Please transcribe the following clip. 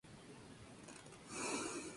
Su nombre real es Rufus Johnson.